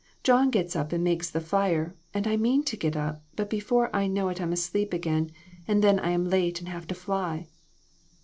John gets up and makes the fire, and I mean to get up, but before I know it I'm asleep again, and then I am late and have to fly."